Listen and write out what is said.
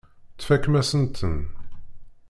Tfakem-asen-ten.